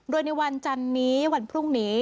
โดยในวันจันนี้วันพรุ่งนี้